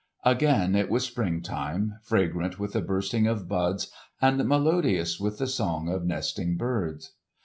Again it was spring time, fragrant with the bursting of buds and melodious with the song of nesting birds.